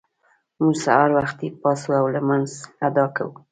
موږ سهار وختي پاڅو او لمونځ ادا کوو